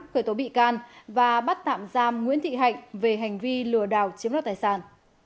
khởi tố bị can và bắt tạm giam nguyễn thị hạnh về hành vi lừa đảo chiếm đoạt tài sản